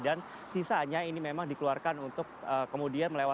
dan sisanya ini memang dikeluarkan untuk kemudian melintas